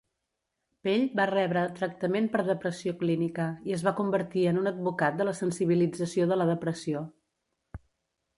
Pell va rebre tractament per depressió clínica i es va convertir en un advocat de la sensibilització de la depressió.